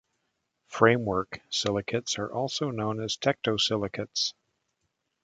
Framework silicates are also known as tectosilicates.